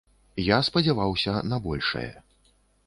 Я спадзяваўся на большае.